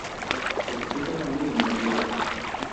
Los adultos viven en madrigueras.